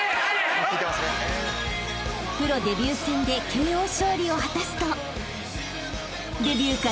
［プロデビュー戦でＫＯ勝利を果たすと］